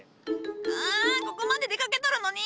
うんここまで出かけとるのに！